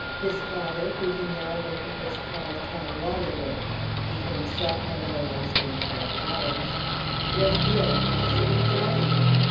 His father, who he now learned was called Cadwalader (he himself had always been called Adams), was ill, possibly dying.